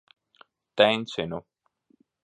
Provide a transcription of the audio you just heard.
Tencinu.